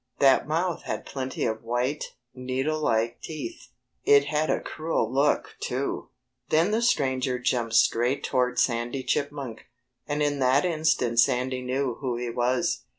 That mouth had plenty of white, needle like teeth. It had a cruel look, too. Then the stranger jumped straight toward Sandy Chipmunk. And in that instant Sandy knew who he was.